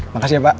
makasih ya pak